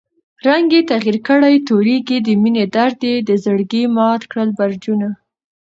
رنګ ئې تغير کړی تورېږي، دمېنی درد ئې دزړګي مات کړل برجونه